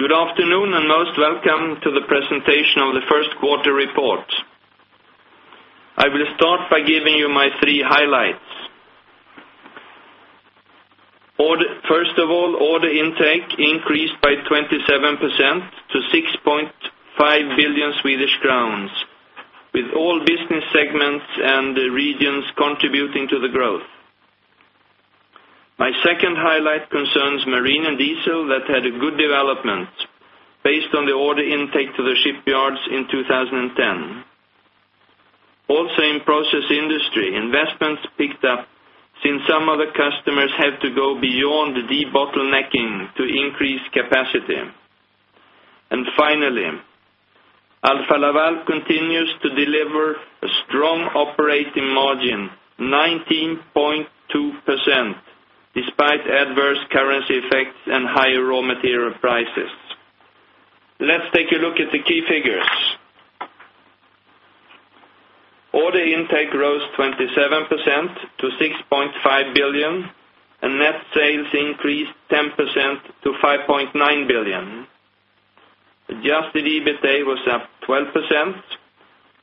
Good afternoon and most welcome to the Presentation of the First Quarter Report. I will start by giving you my three highlights. First of all, order intake increased by 27% to 6.5 billion Swedish crowns, with all business segments and regions contributing to the growth. My second highlight concerns marine and diesel that had a good development based on the order intake to the shipyards in 2010. Also, in process industry, investments picked up since some of the customers had to go beyond the de-bottlenecking to increase capacity. Finally, Alfa Laval continues to deliver a strong operating margin, 19.2%, despite adverse currency effects and higher raw material prices. Let's take a look at the key figures. Order intake rose 27% to 6.5 billion, and net sales increased 10% to 5.9 billion. Adjusted EBITDA was up 12%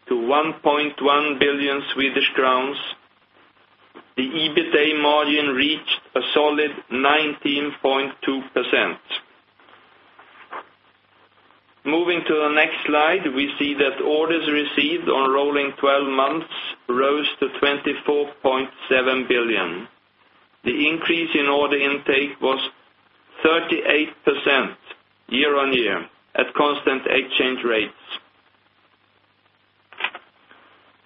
to 1.1 billion Swedish crowns. The EBITDA margin reached a solid 19.2%. Moving to the next slide, we see that orders received on rolling 12 months rose to 24.7 billion. The increase in order intake was 38% year-on-year at constant exchange rates.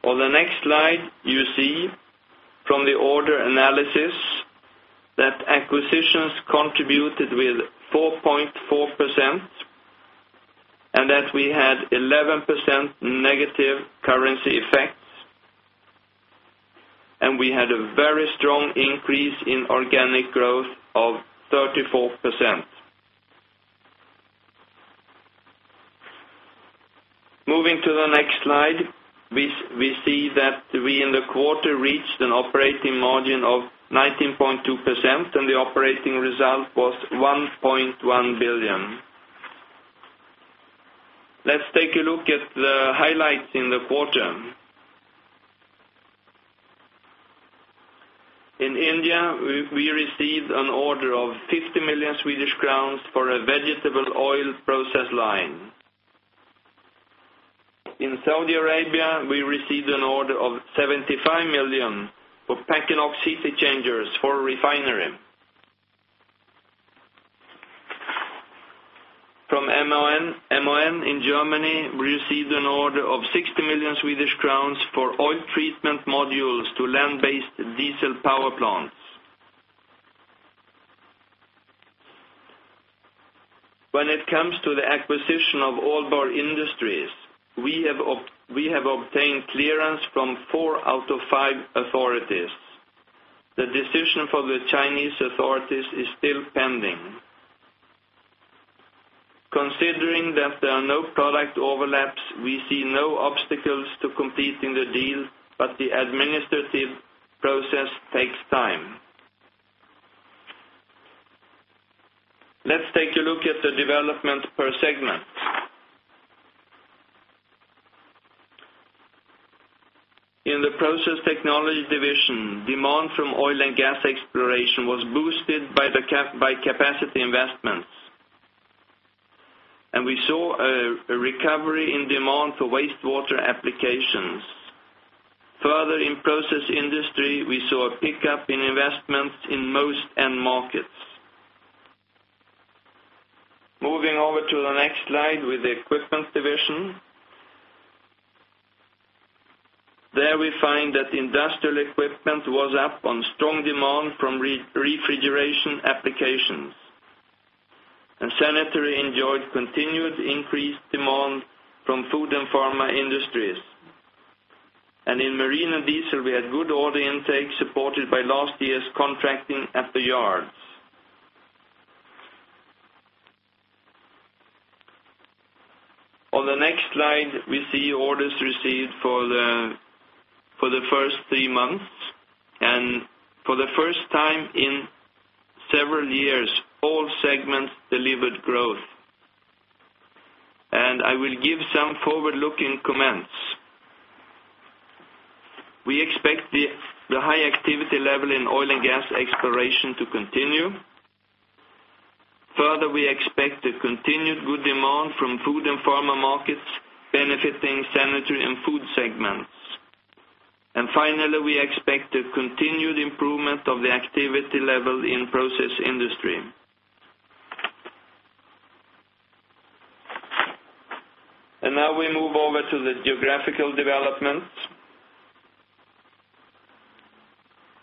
On the next slide, you see from the order analysis that acquisitions contributed with 4.4% and that we had 11% negative currency effects, and we had a very strong increase in organic growth of 34%. Moving to the next slide, we see that we in the quarter reached an operating margin of 19.2%, and the operating result was 1.1 billion. Let's take a look at the highlights in the quarter. In India, we received an order of 50 million Swedish crowns for a vegetable oil process line. In Saudi Arabia, we received an order of 75 million for refinery equipment. From MON in Germany, we received an order of 60 million Swedish crowns for oil treatment modules to land-based diesel power plants. When it comes to the acquisition of Aalborg Industries, we have obtained clearance from four out of five authorities. The decision for the Chinese authorities is still pending. Considering that there are no product overlaps, we see no obstacles to completing the deal, but the administrative process takes time. Let's take a look at the development per segment. In the process technology division, demand from oil and gas exploration was boosted by capacity investments, and we saw a recovery in demand for wastewater applications. Further, in process industry, we saw a pickup in investments in most end markets. Moving over to the next slide with the equipment division, there we find that industrial equipment was up on strong demand from refrigeration applications, and sanitary enjoyed continued increased demand from food and pharma industries. In marine and diesel, we had good order intake supported by last year's contracting at the yards. On the next slide, we see orders received for the first three months, and for the first time in several years, all segments delivered growth. I will give some forward-looking comments. We expect the high activity level in oil and gas exploration to continue. Further, we expect a continued good demand from food and pharma markets benefiting sanitary and food segments. Finally, we expect a continued improvement of the activity level in process industry. Now we move over to the geographical developments,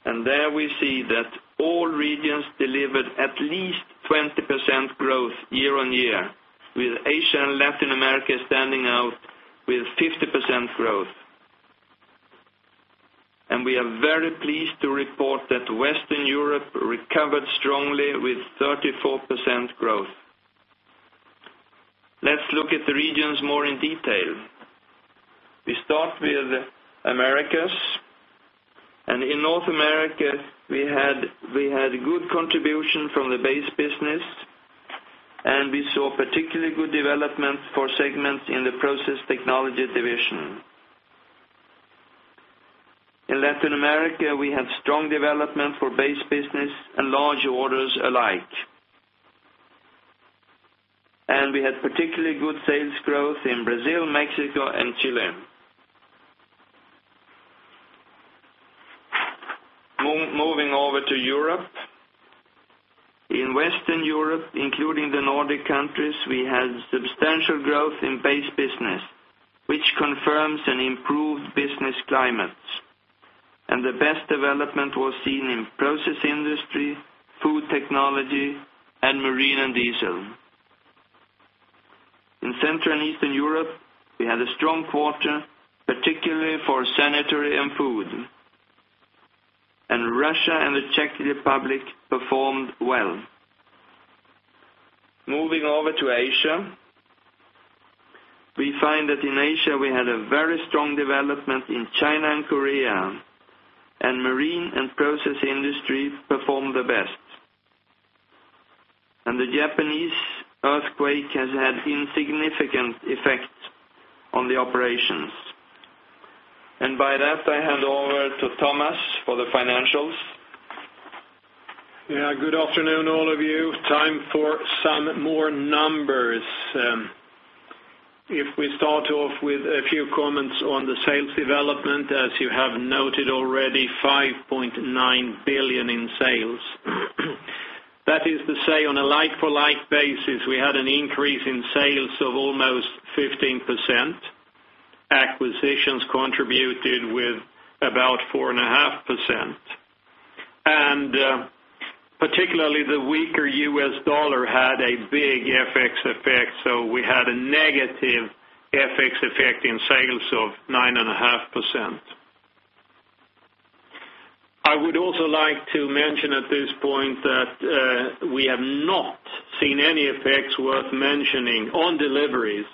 and there we see that all regions delivered at least 20% growth year-on-year, with Asia and Latin America standing out with 50% growth. We are very pleased to report that Western Europe recovered strongly with 34% growth. Let's look at the regions more in detail. We start with Americas, and in North America, we had a good contribution from the base business, and we saw particularly good development for segments in the process technology division. In Latin America, we had strong development for base business and large orders alike. We had particularly good sales growth in Brazil, Mexico, and Chile. Moving over to Europe, in Western Europe, including the Nordic countries, we had substantial growth in base business, which confirms an improved business climate. The best development was seen in process industry, food technology, and marine and diesel. In Central and Eastern Europe, we had a strong quarter, particularly for sanitary and food. Russia and the Czech Republic performed well. Moving over to Asia, we find that in Asia, we had a very strong development in China and Korea, and marine and process industries performed the best. The Japanese earthquake has had insignificant effects on the operations. By that, I hand over to Thomas for the financials. Yeah, good afternoon, all of you. Time for some more numbers. If we start off with a few comments on the sales development, as you have noted already, 5.9 billion in sales. That is to say, on a like-for-like basis, we had an increase in sales of almost 15%. Acquisitions contributed with about 4.5%. Particularly, the weaker U.S. dollar had a big FX effect, so we had a negative FX effect in sales of 9.5%. I would also like to mention at this point that we have not seen any effects worth mentioning on deliveries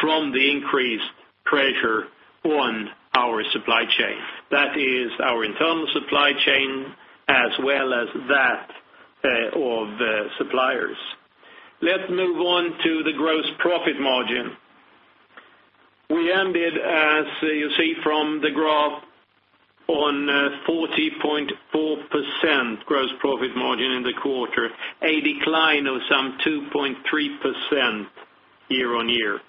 from the increased pressure on our supply chain. That is our internal supply chain as well as that of suppliers. Let's move on to the gross profit margin. We ended, as you see from the graph, on 40.4% gross profit margin in the quarter, a decline of some 2.3% year-on-year.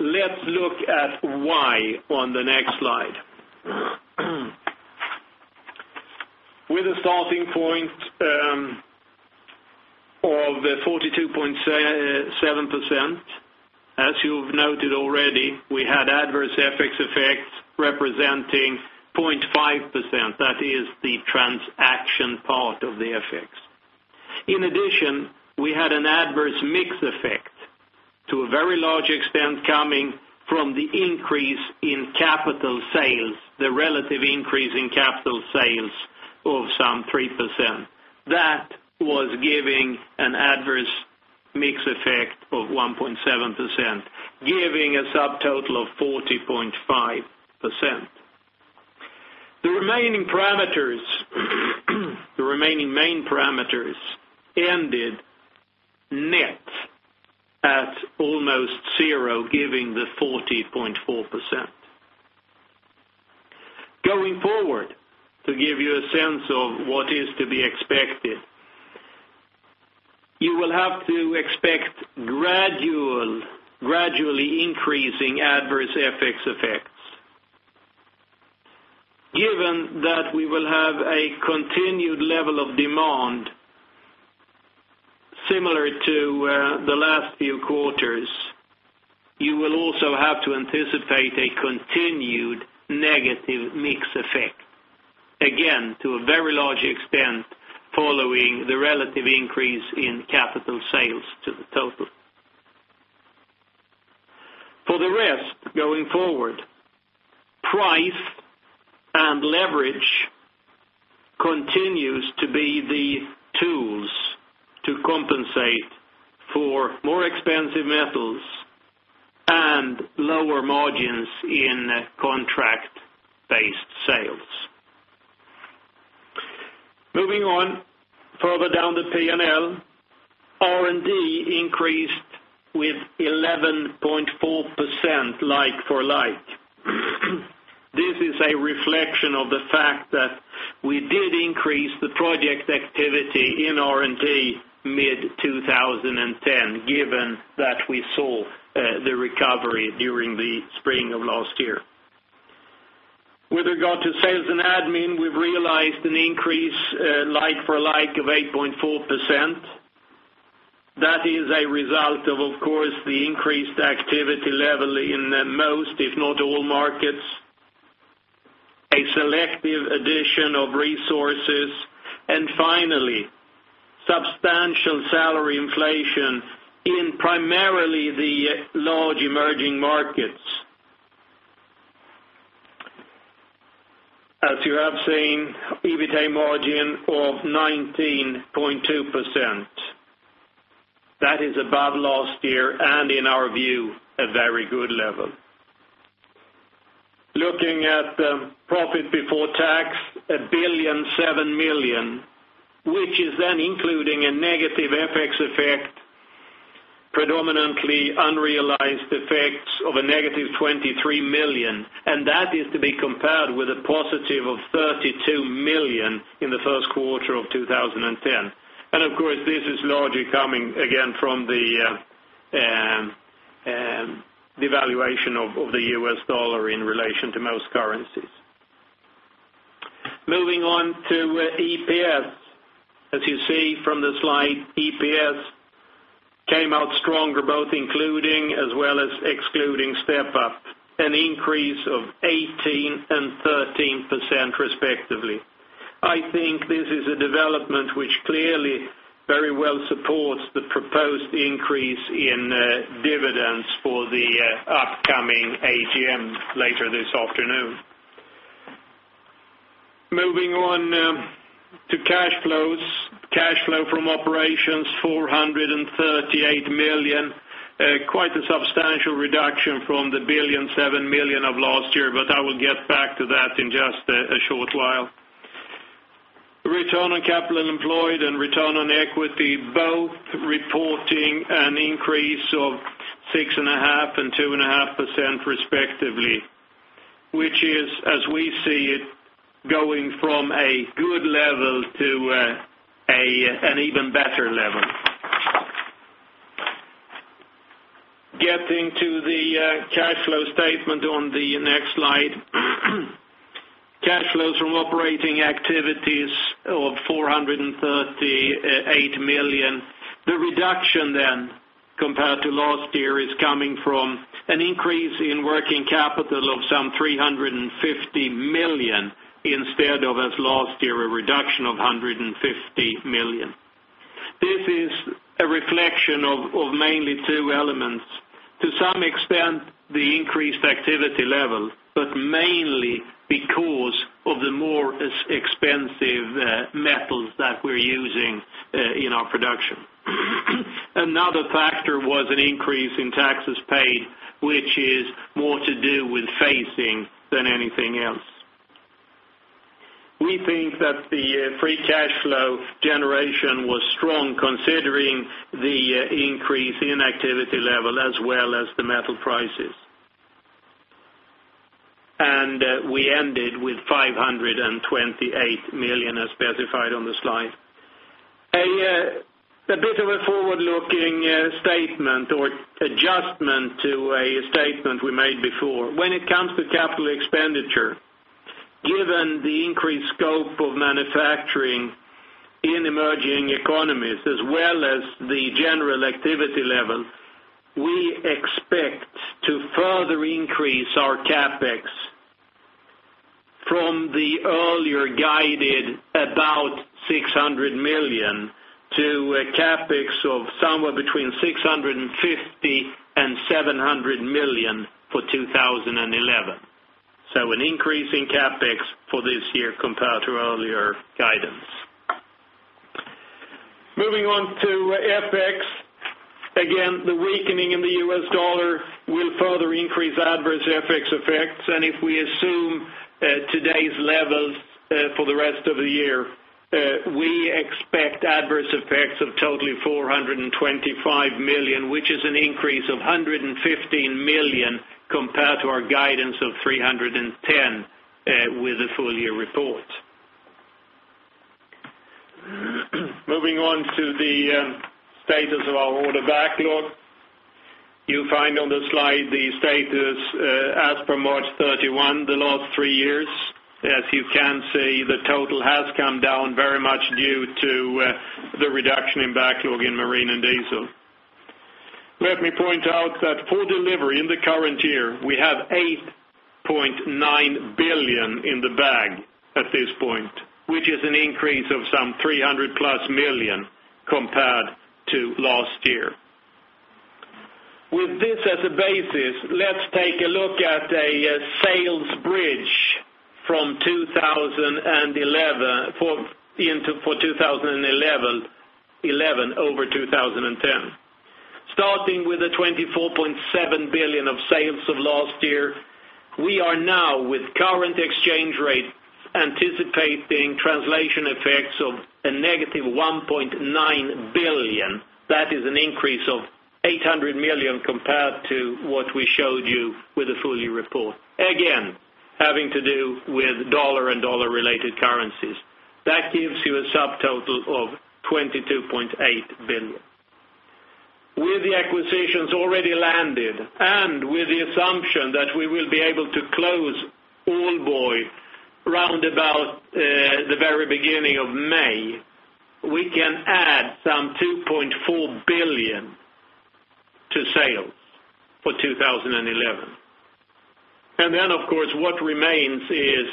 Let's look at why on the next slide. With a starting point of 42.7%, as you've noted already, we had adverse FX effects representing 0.5%. That is the transaction part of the FX. In addition, we had an adverse mix effect to a very large extent coming from the increase in capital sales, the relative increase in capital sales of some 3%. That was giving an adverse mix effect of 1.7%, giving a subtotal of 40.5%. The remaining parameters, the remaining main parameters ended net at almost zero, giving the 40.4%. Going forward, to give you a sense of what is to be expected, you will have to expect gradually increasing adverse FX effects. Given that we will have a continued level of demand similar to the last few quarters, you will also have to anticipate a continued negative mix effect, again, to a very large extent following the relative increase in capital sales to the total. For the rest, going forward, price and leverage continues to be the tools to compensate for more expensive metals and lower margins in contract-based sales. Moving on further down the P&L, R&D increased with 11.4% like-for-like. This is a reflection of the fact that we did increase the project activity in R&D mid-2010, given that we saw the recovery during the spring of last year. With regard to sales and admin, we've realized an increase like-for-like of 8.4%. That is a result of, of course, the increased activity level in most, if not all, markets, a selective addition of resources, and finally, substantial salary inflation in primarily the large emerging markets. As you have seen, EBITDA margin of 19.2%. That is above last year and, in our view, a very good level. Looking at the profit before tax, 1.007 billion, which is then including a negative FX effect, predominantly unrealized effects of a -23 million, and that is to be compared with a positive of 32 million in the first quarter of 2010. This is largely coming again from the devaluation of the U.S. dollar in relation to most currencies. Moving on to EPS, as you see from the slide, EPS came out stronger, both including as well as excluding step-up, an increase of 18% and 13% respectively. I think this is a development which clearly very well supports the proposed increase in dividends for the upcoming AGM later this afternoon. Moving on to cash flows, cash flow from operations, 438 million, quite a substantial reduction from the 1.007 billion of last year, but I will get back to that in just a short while. Return on capital employed and return on equity, both reporting an increase of 6.5% and 2.5% respectively, which is, as we see it, going from a good level to an even better level. Getting to the cash flow statement on the next slide, cash flows from operating activities of 438 million. The reduction then compared to last year is coming from an increase in working capital of some 350 million instead of, as last year, a reduction of 150 million. This is a reflection of mainly two elements. To some extent, the increased activity level, but mainly because of the more expensive metals that we're using in our production. Another factor was an increase in taxes paid, which is more to do with phasing than anything else. We think that the free cash flow generation was strong considering the increase in activity level as well as the metal prices. We ended with 528 million as specified on the slide. A bit of a forward-looking statement or adjustment to a statement we made before. When it comes to capital expenditure, given the increased scope of manufacturing in emerging economies as well as the general activity level, we expect to further increase our CapEx from the earlier guided about 600 million to a CapEx of somewhere between 650 million and 700 million for 2011. This is an increase in CapEx for this year compared to earlier guidance. Moving on to FX, again, the weakening in the U.S. dollar will further increase adverse FX effects. If we assume today's levels for the rest of the year, we expect adverse effects of totally 425 million, which is an increase of 115 million compared to our guidance of 310 million with the full-year report. Moving on to the status of our order backlog, you find on the slide the status as per March 31, the last three years. As you can see, the total has come down very much due to the reduction in backlog in marine and diesel. Let me point out that for delivery in the current year, we have 8.9 billion in the bag at this point, which is an increase of some 300+ million compared to last year. With this as a basis, let's take a look at a sales bridge from 2011 over 2010. Starting with the 24.7 billion of sales of last year, we are now with current exchange rate anticipating translation effects of a negative 1.9 billion. That is an increase of 800 million compared to what we showed you with the full-year report, again having to do with dollar and dollar-related currencies. That gives you a subtotal of 22.8 billion. With the acquisitions already landed and with the assumption that we will be able to close Aalborg round about the very beginning of May, we can add some 2.4 billion to sales for 2011. Of course, what remains is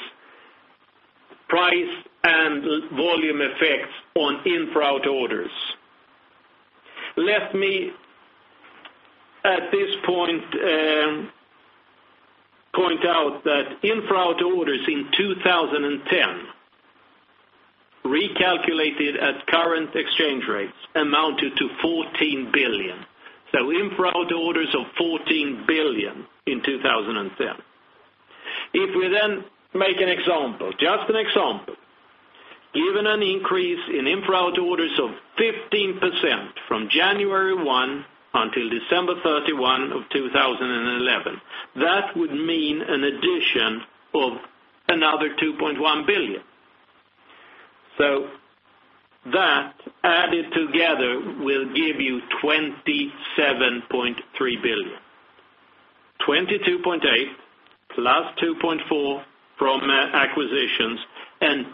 price and volume effects on infra-out orders. Let me, at this point, point out that infra-out orders in 2010, recalculated at current exchange rates, amounted to 14 billion. So infra-out orders of 14 billion in 2010. If we then make an example, just an example, given an increase in infra-out orders of 15% from January 1 until December 31 of 2011, that would mean an addition of another 2.1 billion. That added together will give you 27.3 billion. 22.8 billion + 2.4 billion from acquisitions and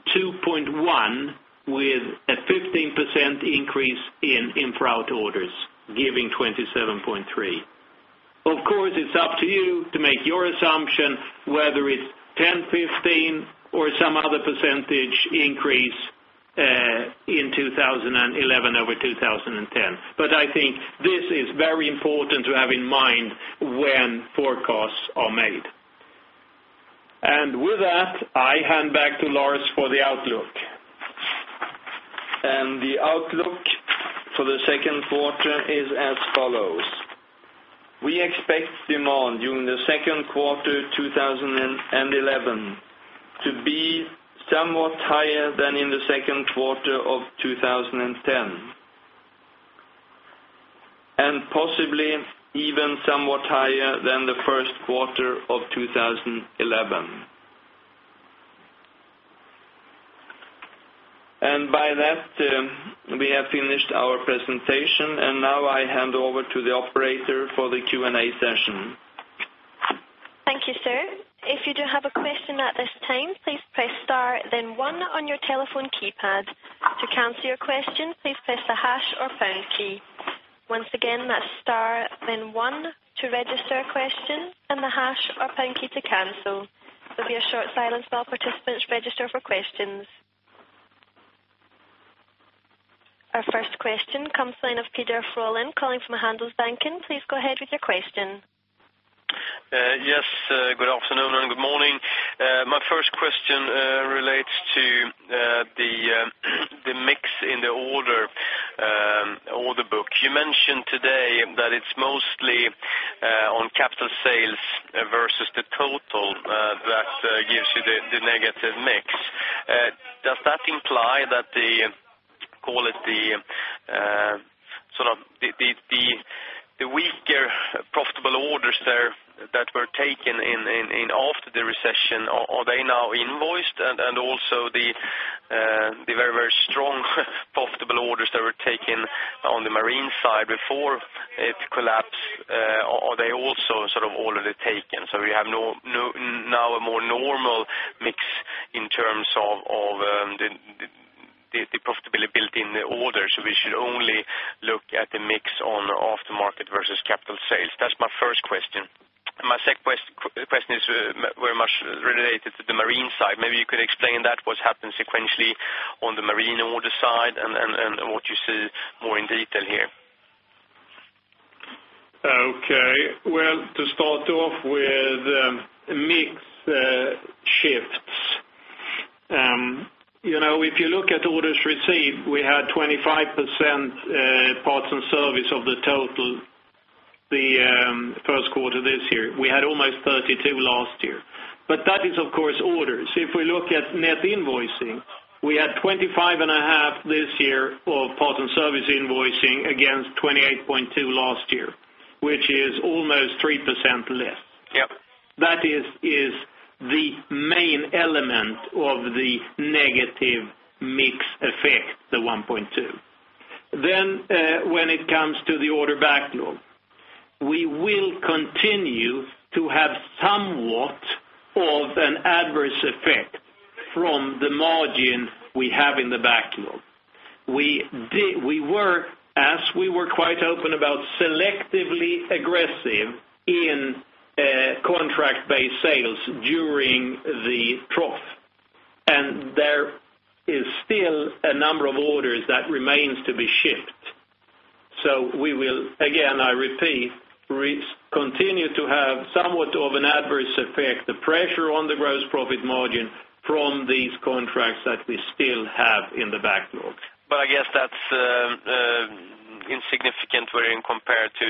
2.1 billion with a 15% increase in infra-out orders, giving 27.3 billion. Of course, it's up to you to make your assumption whether it's 10%, 15%, or some other percentage increase in 2011 over 2010. I think this is very important to have in mind when forecasts are made. With that, I hand back to Lars for the outlook. The outlook for the second quarter is as follows. We expect demand during the second quarter of 2011 to be somewhat higher than in the second quarter of 2010 and possibly even somewhat higher than the first quarter of 2011. By that, we have finished our presentation, and now I hand over to the operator for the Q&A session. Thank you, sir. If you do have a question at this time, please press star then one on your telephone keypad. To cancel your question, please press the hash or pound key. Once again, that's star then one to register a question and the hash or pound key to cancel. There'll be a short silence while participants register for questions. Our first question comes to the line of Peter Frolin, calling from Handelsbanken. Please go ahead with your question. Yes, good afternoon and good morning. My first question relates to the mix in the order book. You mentioned today that it's mostly on capital sales versus the total that gives you the negative mix. Does that imply that the, call it the sort of the weaker profitable orders there that were taken in after the recession, are they now invoiced? Also, the very, very strong profitable orders that were taken on the marine side before it collapsed, are they also sort of already taken? We have now a more normal mix in terms of the profitability built in the order. We should only look at the mix on aftermarket versus capital sales. That's my first question. My second question is very much related to the marine side. Maybe you could explain that, what's happened sequentially on the marine order side and what you see more in detail here. Okay. To start off with mixed shifts, you know, if you look at orders received, we had 25% parts and service of the total the first quarter this year. We had almost 32% last year. That is, of course, orders. If we look at net invoicing, we had 25.5% this year of parts and service invoicing against 28.2% last year, which is almost 3% less. That is the main element of the negative mix effect, the 1.2%. When it comes to the order backlog, we will continue to have somewhat of an adverse effect from the margin we have in the backlog. We were, as we were quite open about, selectively aggressive in contract-based sales during the trough, and there is still a number of orders that remain to be shipped. I repeat, we will continue to have somewhat of an adverse effect, the pressure on the gross profit margin from these contracts that we still have in the backlog. I guess that's insignificant when compared to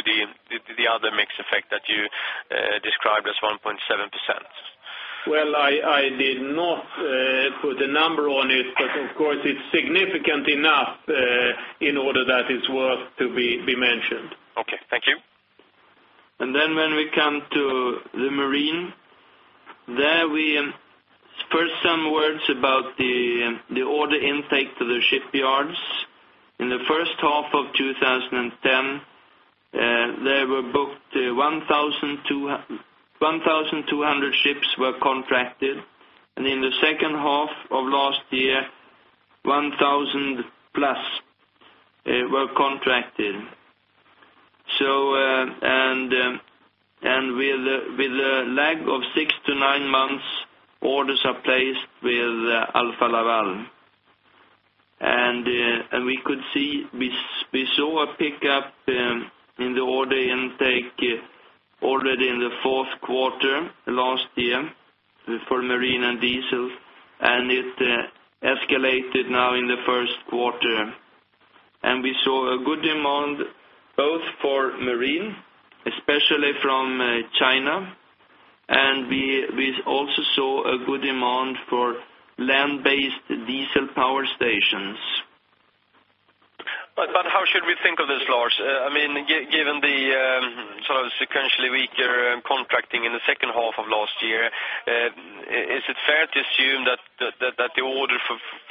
the other mix effect that you described as 1.7%. I did not put a number on it, but of course, it's significant enough in order that it's worth to be mentioned. Okay, thank you. When we come to the marine, we spurred some words about the order intake to the shipyards. In the first half of 2010, there were 1,200 ships contracted. In the second half of last year, 1,000+ were contracted. With a lag of six to nine months, orders are placed with Alfa Laval. We could see a pickup in the order intake in the fourth quarter last year for marine and diesel, and it escalated now in the first quarter. We saw a good demand both for marine, especially from China, and we also saw a good demand for land-based diesel power stations. How should we think of this, Lars? I mean, given the sort of sequentially weaker contracting in the second half of last year, is it fair to assume that the order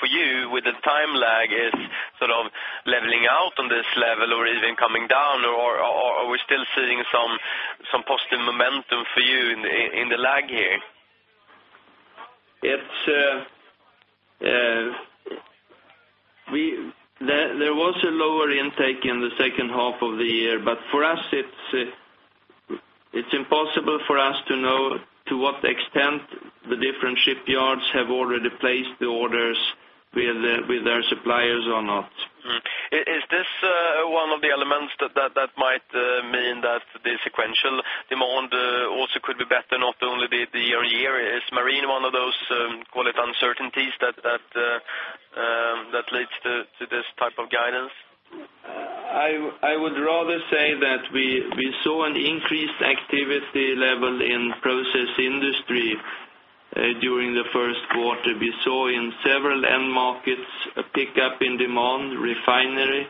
for you with the time lag is sort of leveling out on this level or even coming down, or are we still seeing some positive momentum for you in the lag here? There was a lower intake in the second half of the year, but for us, it's impossible for us to know to what extent the different shipyards have already placed the orders with their suppliers or not. Is this one of the elements that might mean that the sequential demand also could be better, not only the year-on-year? Is marine one of those, call it, uncertainties that leads to this type of guidance? I would rather say that we saw an increased activity level in process industry during the first quarter. We saw in several end markets a pickup in demand. Refinery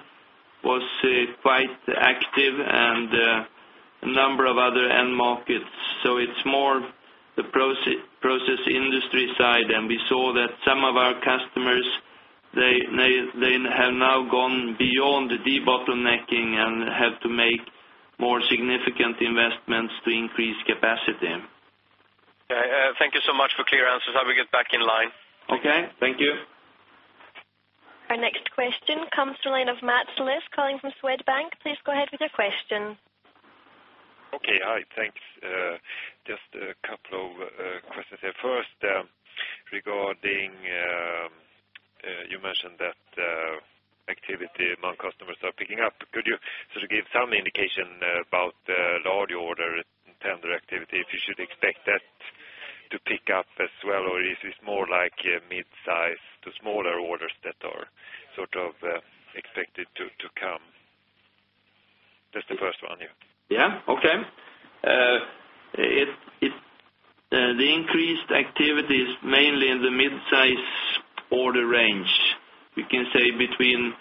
was quite active, and a number of other end markets. It's more the process industry side, and we saw that some of our customers, they have now gone beyond de-bottlenecking and have to make more significant investments to increase capacity. Okay. Thank you so much for clear answers. I will get back in line. Okay, thank you. Our next question comes to the line of Matt Slys, calling from Swedbank. Please go ahead with your question. Okay. All right. Thanks. Just a couple of questions here. First, regarding you mentioned that activity among customers are picking up. Could you sort of give some indication about the large order tender activity if you should expect that to pick up as well, or is this more like midsize to smaller orders that are sort of expected to come? That's the first one here. Okay. The increased activity is mainly in the midsize order range. We can say between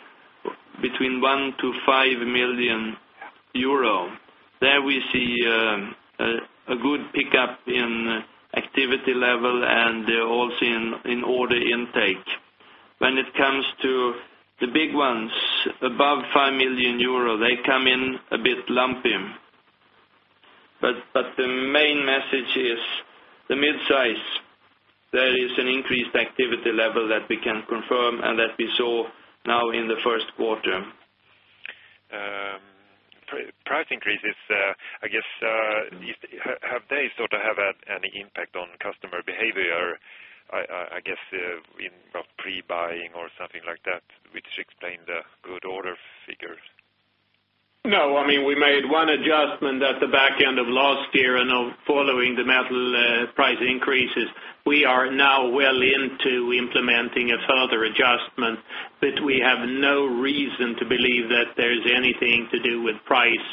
1 million-5 million euro. There we see a good pickup in activity level and also in order intake. When it comes to the big ones, above 5 million euro, they come in a bit lumpy. The main message is the midsize. There is an increased activity level that we can confirm and that we saw now in the first quarter. Price increases, I guess, have they sort of had any impact on customer behavior, I guess, in pre-buying or something like that, which explained the good order figures? No. I mean, we made one adjustment at the back end of last year, and following the metal price increases, we are now well into implementing a further adjustment, but we have no reason to believe that there's anything to do with price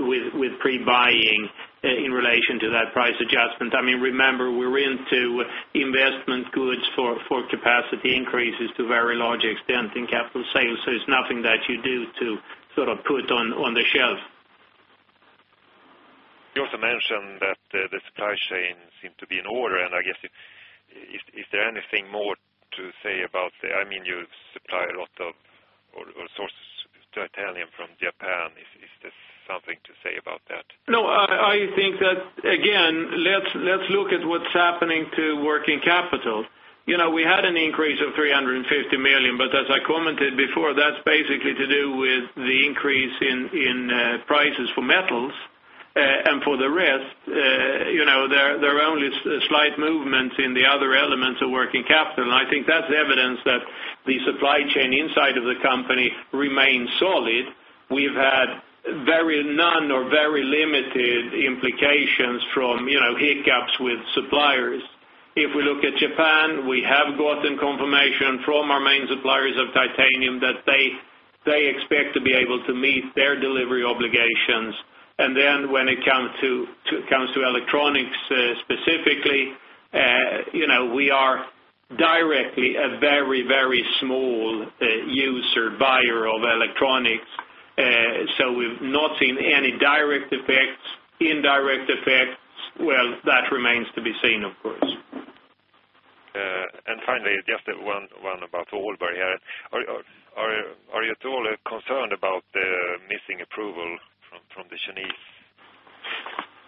with pre-buying in relation to that price adjustment. I mean, remember, we're into investment goods for capacity increases to a very large extent in capital sales. It's nothing that you do to sort of put on the shelf. You also mentioned that the supply chain seemed to be in order, and I guess if there's anything more to say about the, I mean, you supply a lot of resources to Italy from Japan. Is there something to say about that? No. I think that, again, let's look at what's happening to working capital. We had an increase of 350 million, but as I commented before, that's basically to do with the increase in prices for metals. For the rest, there are only slight movements in the other elements of working capital. I think that's evidence that the supply chain inside of the company remains solid. We've had very none or very limited implications from hiccups with suppliers. If we look at Japan, we have gotten confirmation from our main suppliers of titanium that they expect to be able to meet their delivery obligations. When it comes to electronics specifically, we are directly a very, very small user buyer of electronics. We've not seen any direct effects, indirect effects. That remains to be seen, of course. Finally, just one about Aalborg here. Are you at all concerned about the missing approval from the Chinese?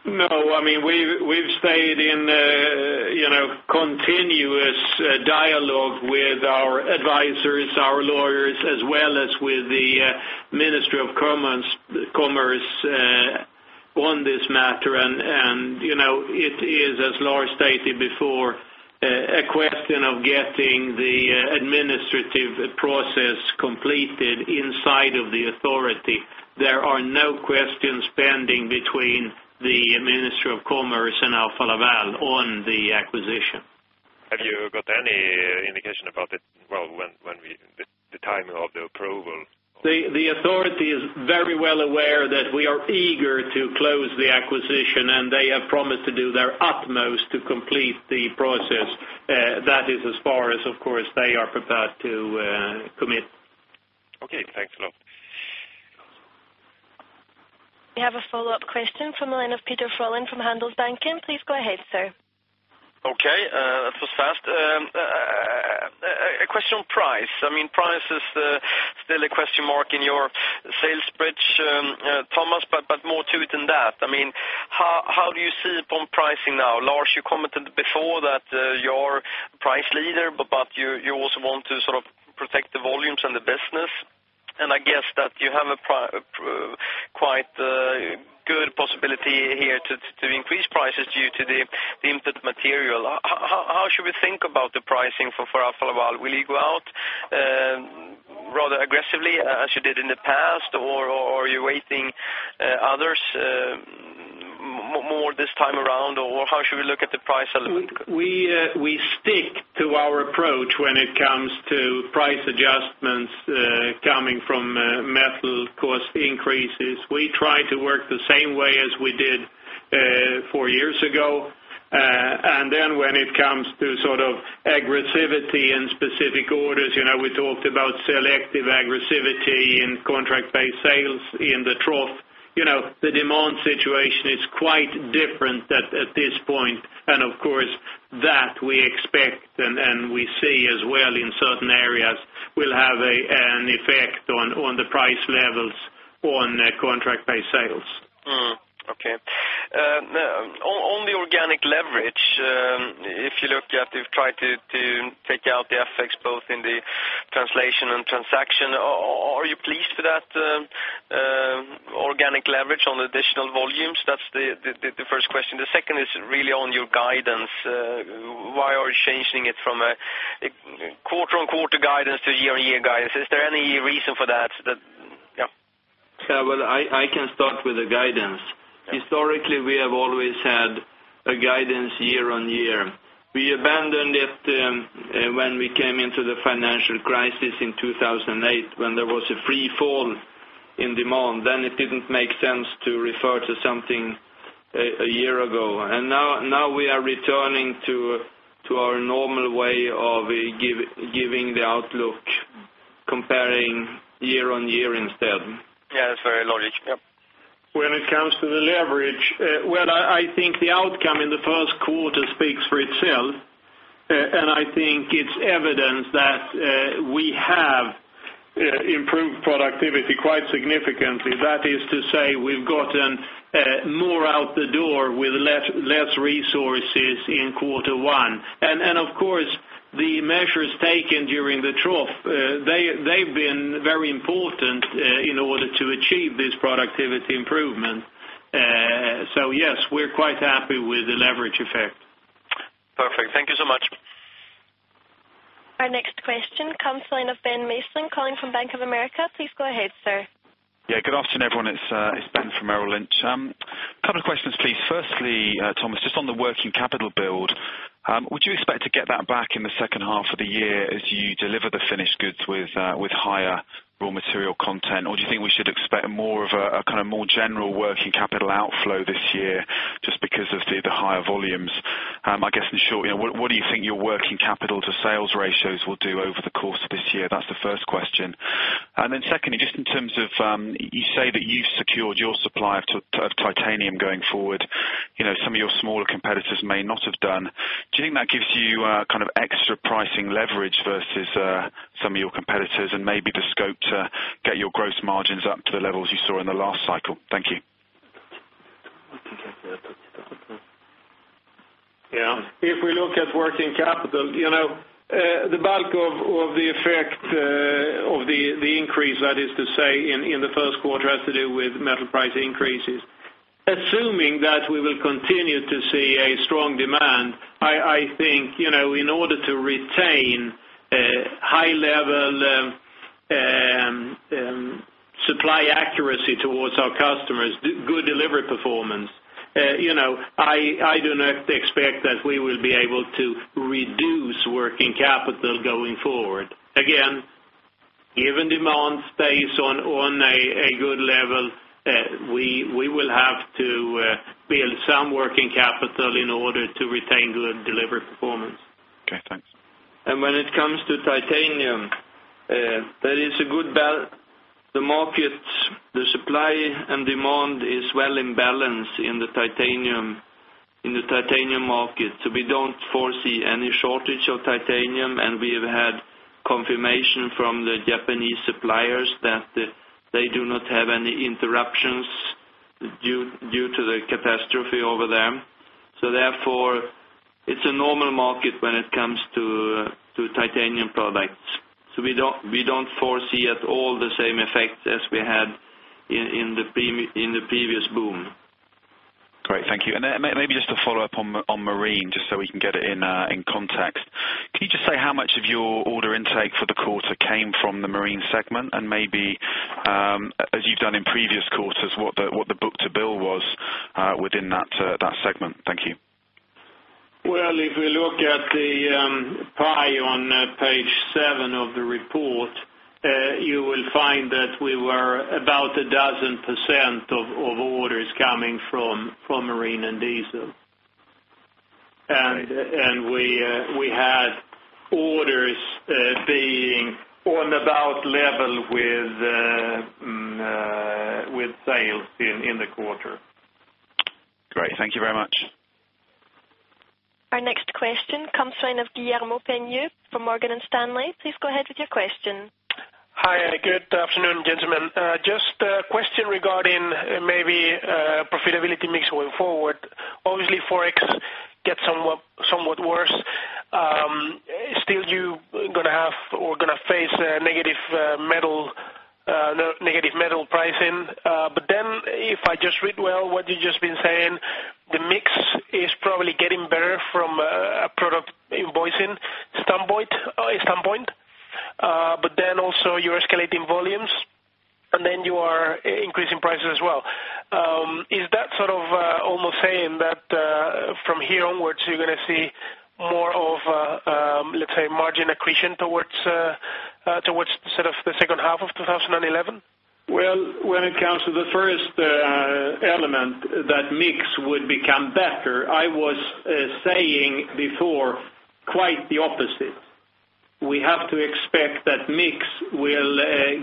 No. I mean, we've stayed in a continuous dialogue with our advisors, our lawyers, as well as with the Ministry of Commerce on this matter. It is, as Lars stated before, a question of getting the administrative process completed inside of the authority. There are no questions pending between the Ministry of Commerce and Alfa Laval on the acquisition. Have you got any indication about it, when the timing of the approval? The authority is very well aware that we are eager to close the acquisition, and they have promised to do their utmost to complete the process. That is as far as, of course, they are prepared to commit. Okay, thanks a lot. We have a follow-up question from the line of Peter Frolin from Handelsbanken. Please go ahead, sir. Okay. That was fast. A question on price. I mean, price is still a question mark in your sales bridge, Thomas, but more to it than that. I mean, how do you see it on pricing now? Lars, you commented before that you are a price leader, but you also want to sort of protect the volumes and the business. I guess that you have a quite good possibility here to increase prices due to the imported material. How should we think about the pricing for Alfa Laval? Will you go out rather aggressively as you did in the past, or are you waiting others more this time around, or how should we look at the price? We stick to our approach when it comes to price adjustments coming from metal cost increases. We try to work the same way as we did four years ago. When it comes to sort of aggressivity and specific orders, we talked about selective aggressivity in contract-based sales in the trough. The demand situation is quite different at this point. Of course, that we expect and we see as well in certain areas will have an effect on the price levels on contract-based sales. Okay. On the organic leverage, if you look at, you've tried to take out the FX both in the translation and transaction. Are you pleased with that organic leverage on the additional volumes? That's the first question. The second is really on your guidance. Why are you changing it from a quarter-on-quarter guidance to year-on-year guidance? Is there any reason for that? I can start with the guidance. Historically, we have always had a guidance year-on-year. We abandoned it when we came into the financial crisis in 2008 when there was a freefall in demand. It didn't make sense to refer to something a year ago. Now we are returning to our normal way of giving the outlook, comparing year-on-year instead. Yeah, that's very logical. Yeah. When it comes to the leverage, I think the outcome in the first quarter speaks for itself. I think it's evidence that we have improved productivity quite significantly. That is to say we've gotten more out the door with less resources in quarter one. The measures taken during the trough have been very important in order to achieve this productivity improvement. Yes, we're quite happy with the leverage effect. Perfect. Thank you so much. Our next question comes to the line of Ben Mason, calling from Bank of America. Please go ahead, sir. Good afternoon, everyone. It's Ben from Merrill Lynch. A couple of questions, please. Firstly, Thomas, just on the working capital build, would you expect to get that back in the second half of the year as you deliver the finished goods with higher raw material content, or do you think we should expect more of a kind of more general working capital outflow this year just because of the higher volumes? In short, what do you think your working capital to sales ratios will do over the course of this year? That's the first question. Secondly, just in terms of you say that you've secured your supply of titanium going forward. Some of your smaller competitors may not have done. Do you think that gives you extra pricing leverage versus some of your competitors and maybe the scope to get your gross margins up to the levels you saw in the last cycle? Thank you. If we look at working capital, the bulk of the effect of the increase, that is to say, in the first quarter has to do with metal price increases. Assuming that we will continue to see a strong demand, I think in order to retain high-level supply accuracy towards our customers, good delivery performance, I do not expect that we will be able to reduce working capital going forward. Again, given demand space on a good level, we will have to build some working capital in order to retain good delivery performance. Okay. Thanks. When it comes to titanium, that is a good bell. The markets, the supply and demand is well in balance in the titanium market. We don't foresee any shortage of titanium, and we have had confirmation from the Japanese suppliers that they do not have any interruptions due to the catastrophe over them. Therefore, it's a normal market when it comes to titanium products. We don't foresee at all the same effects as we had in the previous boom. Great. Thank you. Maybe just to follow up on marine, just so we can get it in context. Can you just say how much of your order intake for the quarter came from the marine segment, and maybe, as you've done in previous quarters, what the book-to-bill was within that segment? Thank you. If we look at the pie on page seven of the report, you will find that we were about a dozen % of orders coming from marine and diesel, and we had orders being on about level with sales in the quarter. Great. Thank you very much. Our next question comes to the line of [Max Yates] from Morgan Stanley. Please go ahead with your question. Hi. Good afternoon, gentlemen. Just a question regarding maybe profitability mix going forward. Obviously, Forex gets somewhat worse. Still, you're going to have or going to face negative metal pricing. If I just read well what you've just been saying, the mix is probably getting better from a product invoicing standpoint. Also, you're escalating volumes, and you are increasing prices as well. Is that sort of almost saying that from here onwards, you're going to see more of, let's say, margin accretion towards the sort of the second half of 2011? When it comes to the first element, that mix would become better. I was saying before quite the opposite. We have to expect that mix will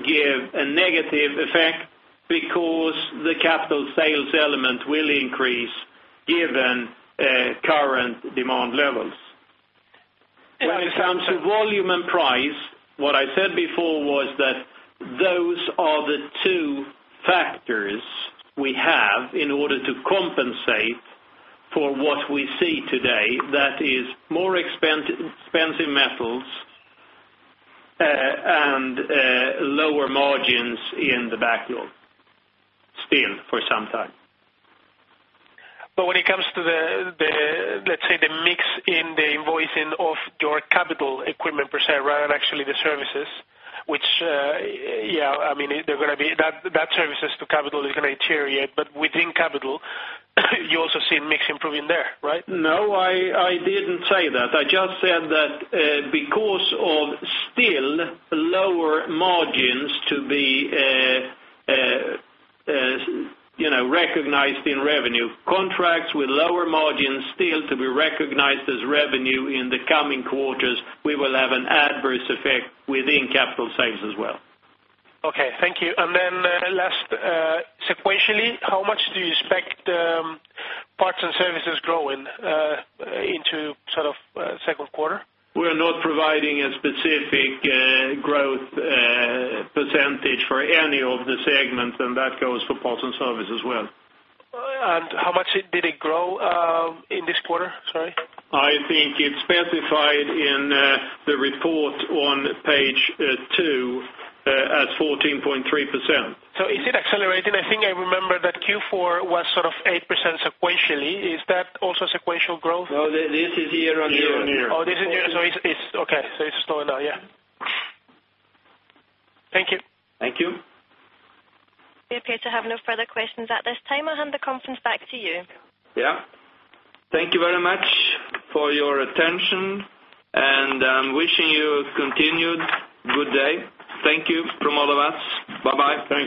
give a negative effect because the capital sales element will increase given current demand levels. When it comes to volume and price, what I said before was that those are the two factors we have in order to compensate for what we see today, that is more expensive metals and lower margins in the backlog still for some time. When it comes to the mix in the invoicing of your capital equipment per se, rather than actually the services, which, yeah, I mean, they're going to be that services to capital is going to deteriorate. Within capital, you also see mix improving there, right? No, I didn't say that. I just said that because of still lower margins to be recognized in revenue, contracts with lower margins still to be recognized as revenue in the coming quarters, we will have an adverse effect within capital sales as well. Thank you. Last, sequentially, how much do you expect the parts and services growing into sort of second quarter? We're not providing a specific growth % for any of the segments, and that goes for parts and service as well. How much did it grow in this quarter, sorry? I think it's specified in the report on page two at 14.3%. Is it accelerating? I think I remember that Q4 was sort of 8% sequentially. Is that also sequential growth? No, this is year-on-year. This is year-on-year. It's okay, it's slowing down. Thank you. Thank you. We appear to have no further questions at this time. I'll hand the conference back to you. Thank you very much for your attention, and I'm wishing you a continued good day. Thank you from all of us. Bye-bye. Thank you.